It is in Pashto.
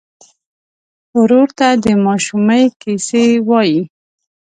ورور ته د ماشومۍ کیسې وایې.